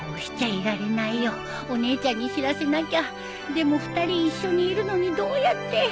でも２人一緒にいるのにどうやって？